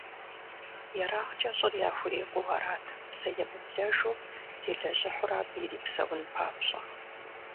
ЕрагъкӀэ щӏыр яхурикъуу арат, псэемыблэжу телэжьыхьурэ абы ирипсэун папщӀэ.